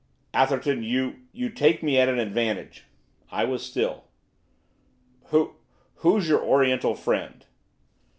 'Atherton, you you take me at an advantage.' I was still. 'Who who's your Oriental friend?